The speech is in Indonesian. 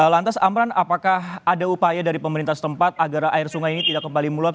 lantas amran apakah ada upaya dari pemerintah setempat agar air sungai ini tidak kembali meluap